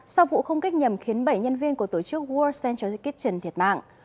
sau vụ không kích nhằm khiến bảy nhân viên của tổ chức world centraly kitchen thiệt mạng